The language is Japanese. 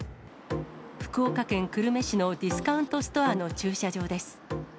福岡県久留米市のディスカウントストアの駐車場です。